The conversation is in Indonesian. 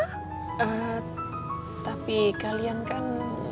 eh tapi kalian kan